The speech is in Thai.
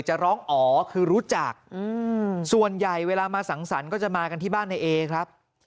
จะร้องอ๋อคือรู้จักส่วนใหญ่เวลามาสังสรรค์ก็จะมากันที่บ้านในเอครับ